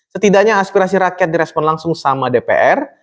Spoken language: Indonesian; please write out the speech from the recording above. setidaknya aspirasi rakyat direspon langsung sama dpr